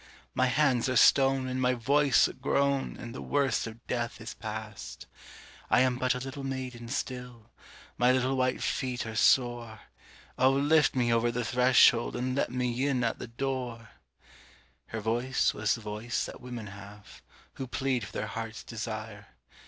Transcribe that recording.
My hands are stone, and my voice a groan, And the worst of death is past. I am but a little maiden still, My little white feet are sore. Oh, lift me over the threshold, and let me in at the door! Her voice was the voice that women have, Who plead for their heart's desire.